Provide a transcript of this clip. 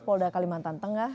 polda kalimantan tengah